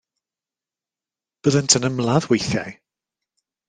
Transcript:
Byddent yn ymladd weithiau.